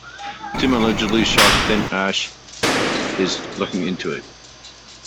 Tim allegedly shocked Finn, Ash is looking into it.